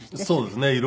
そうですね。